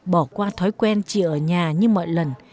bỏ qua thói quen chỉ ở nhà như mọi lần